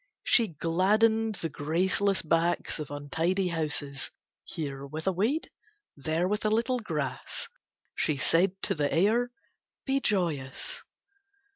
She gladdened the graceless backs of untidy houses, here with a weed, there with a little grass. She said to the air, "Be joyous."